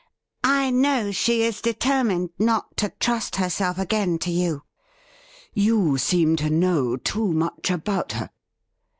' I know she is determined not to trust herself again to you.' ' You seem to know too much about her.'